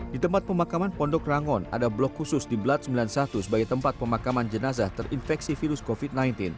di tempat pemakaman pondok rangon ada blok khusus di blat sembilan puluh satu sebagai tempat pemakaman jenazah terinfeksi virus covid sembilan belas